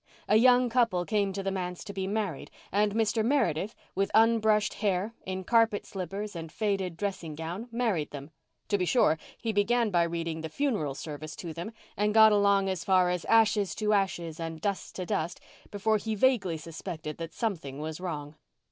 A young couple came to the manse to be married and Mr. Meredith, with unbrushed hair, in carpet slippers and faded dressing gown, married them. To be sure, he began by reading the funeral service to them and got along as far as "ashes to ashes and dust to dust" before he vaguely suspected that something was wrong.